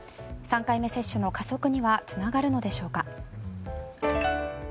３回目接種の加速にはつながるのでしょうか。